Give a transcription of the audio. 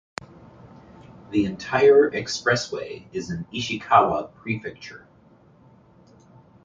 The entire expressway is in Ishikawa Prefecture.